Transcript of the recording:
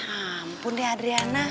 ampun deh adriana